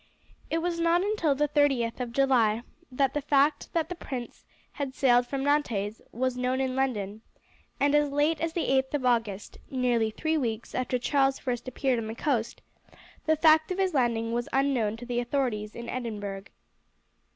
It was not until the 30th of July that the fact that the prince had sailed from Nantes was known in London, and as late as the 8th of August, nearly three weeks after Charles first appeared on the coast, the fact of his landing was unknown to the authorities in Edinburgh.